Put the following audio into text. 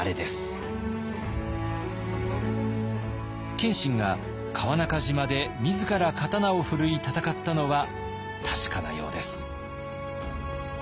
謙信が川中島で自ら刀を振るい戦ったのは確かなようです。